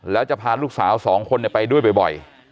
แล้วจะพาลูกสาวสองคนไปด้วยบ่อย